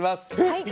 はい。